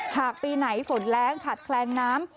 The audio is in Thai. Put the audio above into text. ปีไหนฝนแรงขาดแคลนน้ำ